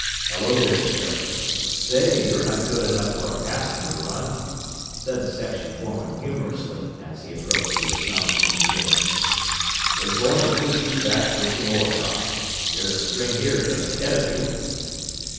"Hello there, Jerry! Say, you're not good enough for a passenger run," said the section foreman humorously as he approached the astonished engineer. "We're going to put you back pushing ore cars. There's a string here just ahead of you."